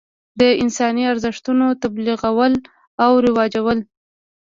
د انساني ارزښتونو تبلیغول او رواجول.